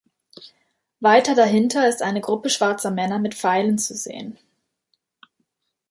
Weiter dahinter ist eine Gruppe schwarzer Männer mit Pfeilen zu sehen.